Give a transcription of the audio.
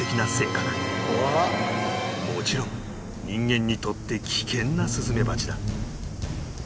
もちろん人間にとって危険なスズメバチだ